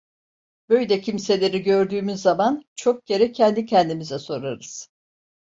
Böyle kimseleri gördüğümüz zaman çok kere kendi kendimize sorarız.